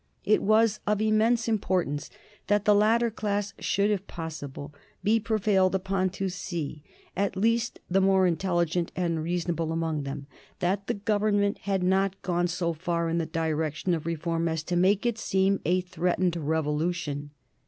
It was of immense importance that the latter class should, if possible, be prevailed upon to see at least the more intelligent and reasonable among them that the Government had not gone so far in the direction of reform as to make it seem a threatened revolution.